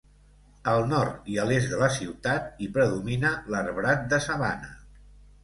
Al nord i a l'est de la ciutat hi predomina l'arbrat de sabana.